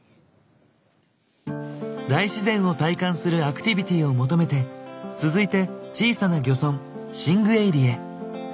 大自然を体感するアクティビティを求めて続いて小さな漁村シングエイリへ。